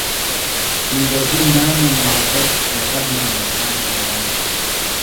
زندگیۡ نامے محبت بے رحمہ انسان حیون۔